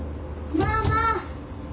・・ママ！